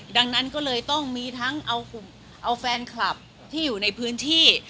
ดังนั้นก็เลยต้องมีทั้งเอาแฟนคลับที่อยู่ในพื้นที่